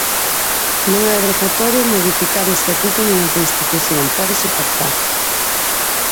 Non é obrigatorio modificar o Estatuto nin a Constitución, pódese pactar.